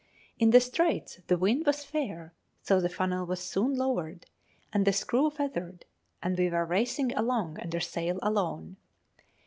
In the straits the wind was fair, so the funnel was soon lowered, and the screw feathered, and we were racing along under sail alone.